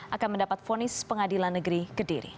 akan mendapat vonis pengadilan negeri kediri